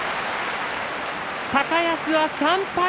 高安は３敗。